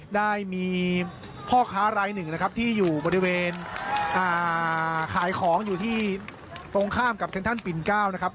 ได้มีพ่อค้ารายหนึ่งนะครับที่อยู่บริเวณขายของอยู่ที่ตรงข้ามกับเซ็นทรัลปิน๙นะครับ